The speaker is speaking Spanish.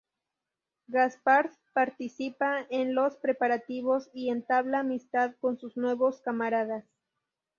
Gaspard participa en los preparativos y entabla amistad con sus nuevos camaradas.